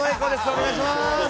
お願いします。